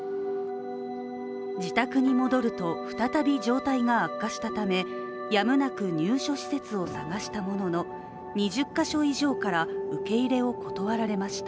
自宅に戻ると再び状態が悪化したため、やむなく入所施設を探したものの、２０か所以上から受け入れを断られました。